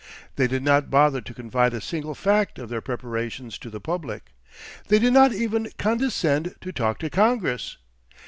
They did not bother to confide a single fact of their preparations to the public. They did not even condescend to talk to Congress.